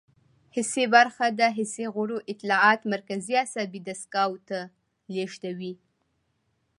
حسي برخه د حسي غړو اطلاعات مرکزي عصبي دستګاه ته لیږدوي.